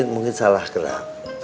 mungkin salah gerak